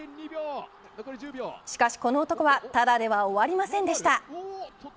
しかし、この男はただでは終わりませんでした。